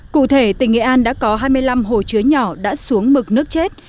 cụ thể tỉnh nghệ an đã có hai mươi năm hồ chứa nhỏ đã xuống mực nước chết